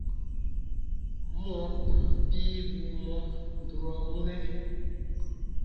Mɔɔ kùn piibuu mɔ durɔ wunɛ: